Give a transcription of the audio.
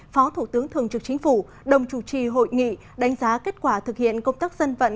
phó thủ tướng thường trực chính phủ đồng chủ trì hội nghị đánh giá kết quả thực hiện công tác dân vận